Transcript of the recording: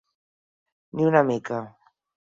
Ni una mica.